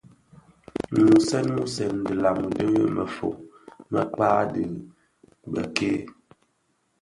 Mmusèn musèn dhilami di mefom me mkpag dhi më bëk-ke,